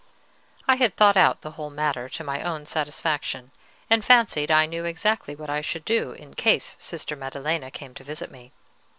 I had thought out the whole matter to my own satisfaction, and fancied I knew exactly what I should do, in case Sister Maddelena came to visit me.